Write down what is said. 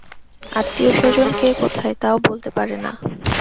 আত্মীয়স্বজন কে কোথায়, তাও বলতে পারে না।